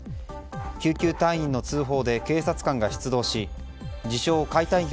救急隊員の通報で警察官が出動し自称